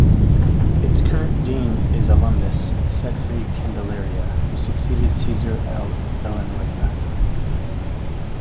Its current Dean is alumnus Sedfrey Candelaria who succeeded Cesar L. Villanueva.